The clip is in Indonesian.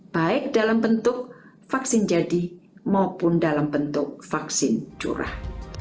baik dalam bentuk vaksin jadi maupun dalam bentuk vaksin curah